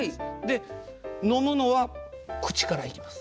で飲むのは口から行きます。